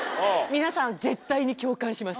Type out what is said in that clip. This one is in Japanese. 皆さん絶対に共感します。